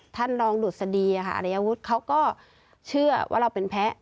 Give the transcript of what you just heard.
ท่านรองดุษฎีอายวุฒิเขาก็เชื่อว่าเราเป็นแพ้